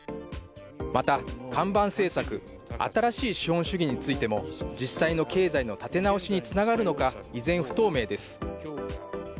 また看板政策、新しい資本主義についても実際の経済の立て直しにつながるのか、依然不透明です。